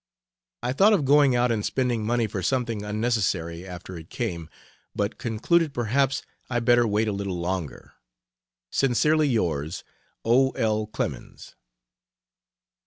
I thought of going out and spending money for something unnecessary after it came, but concluded perhaps I better wait a little longer. Sincerely yours O. L. CLEMENS.